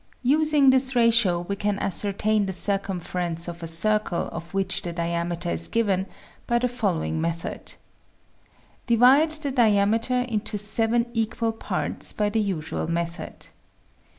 Using this ratio we can ascertain the cir cumference of a circle of which the diameter is given by the following method : Divide the diameter into 7 equal parts by the usual method.